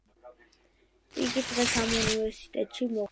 იგი დღეს ამ უნივერსიტეტში მოღვაწეობს.